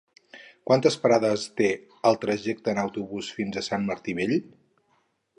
Quantes parades té el trajecte en autobús fins a Sant Martí Vell?